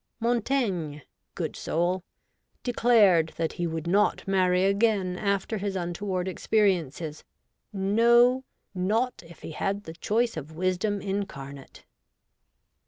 Montaigne — good soul — de clared that he. would not marry again after his untoward experiences ; no, not if he had the choice of wisdom incarnate.